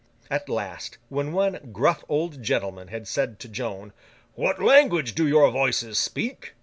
At last, when one gruff old gentleman had said to Joan, 'What language do your Voices speak?